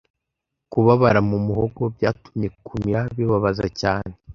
Kubabara mu muhogo byatumye kumira bibabaza cyane.